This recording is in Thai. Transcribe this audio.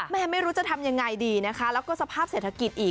ไม่รู้จะทำยังไงดีนะคะแล้วก็สภาพเศรษฐกิจอีก